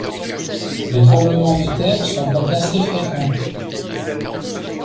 Des tremblements de terre sont donc assez fréquents.